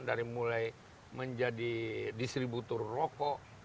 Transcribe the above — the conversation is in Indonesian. dari mulai menjadi distributor rokok